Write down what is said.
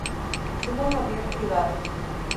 Tuvo un avión privado.